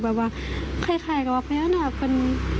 แบบว่าคล้ายกับว่าพญานาคเป็น